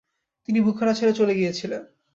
তিনি বুখারা ছেড়ে চলে গিয়েছিলেন।